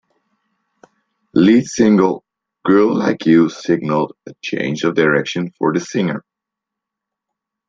Lead single "Girl Like You" signalled a change of direction for the singer.